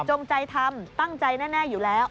จงใจทำตั้งใจแน่อยู่แล้ว